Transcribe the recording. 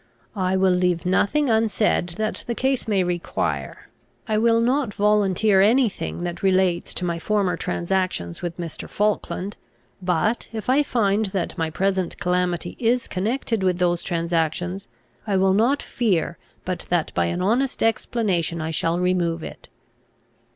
I will leave nothing unsaid that the case may require. I will not volunteer any thing that relates to my former transactions with Mr. Falkland; but, if I find that my present calamity is connected with those transactions, I will not fear but that by an honest explanation I shall remove it."